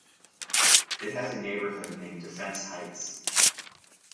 It has a neighborhood named Defense Heights.